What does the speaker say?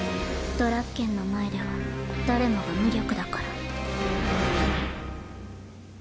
ドラッケンの前では誰もが無力だから。